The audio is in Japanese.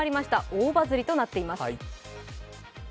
大バズりとなっています。